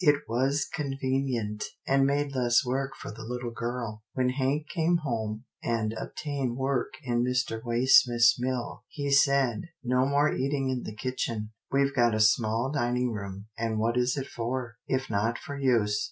It was convenient and made less work for the little girl. When Hank came home, and obtained work in Mr. Waysmith's mill, he said, " No more eating in the kitchen. We've got a small dining room, and what is it for, if not for use?